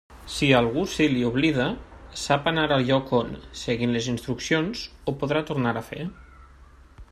Si a algú se li oblida, sap anar al lloc on, seguint les instruccions, ho podrà tornar a fer.